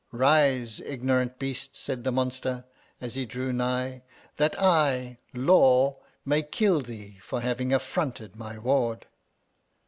Rise, ignorant beast, said the monster, as he drew nigh, that I, Law, may kill thee for having affronted my ward.